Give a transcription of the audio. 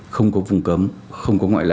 không có phùng cấm không có ngoại lệ